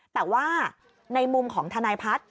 แต่ว่าในมุมของทนายพัฒน์